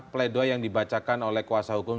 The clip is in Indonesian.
play doh yang dibacakan oleh kuasa hukum